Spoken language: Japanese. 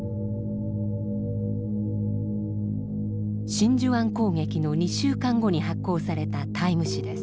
真珠湾攻撃の２週間後に発行された「タイム」誌です。